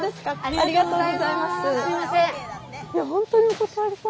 ありがとうございます。